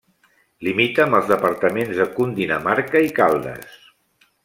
Limita amb els departaments de Cundinamarca i Caldas.